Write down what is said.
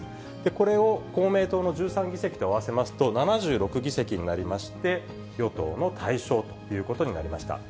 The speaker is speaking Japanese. これを公明党の１３議席と合わせますと、７６議席になりまして、与党の大勝ということになりました。